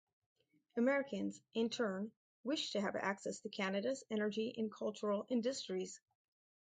Americans, in turn, wished to have access to Canada's energy and cultural industries.